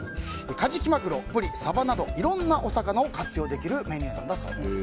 カジキマグロ、ブリ、サバなどいろんなお魚を活用できるメニューなんだそうです。